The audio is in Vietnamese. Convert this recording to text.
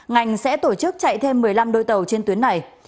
ngành sẽ tổ chức chạy thêm một mươi năm đôi tàu trên tuyến này